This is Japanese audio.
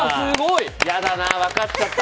嫌だなぁ、分かっちゃった。